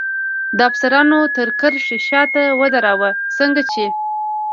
د افسرانو تر کرښې شاته ودراوه، څنګه چې.